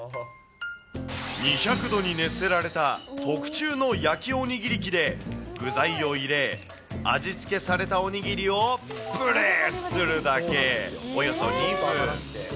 ２００度に熱せられた特注の焼きおにぎり機で、具材を入れ、味付けされたおにぎりをプレスするだけ。